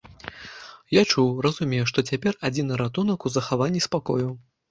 Я чуў, разумеў, што цяпер адзіны ратунак у захаванні спакою.